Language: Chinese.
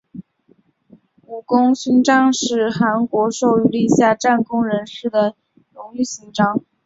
武功勋章是韩国授予立下战功人士的荣誉勋章。